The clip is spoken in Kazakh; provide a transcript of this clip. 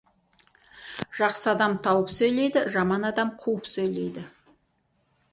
Жақсы адам тауып сөйлейді, жаман адам қауып сөйлейді.